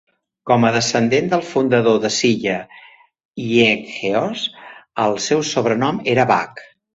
Com a descendent del fundador de Silla, Hyeokgeose, el seu sobrenom era Bak.